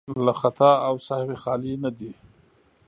له خطا او سهوی خالي نه دي.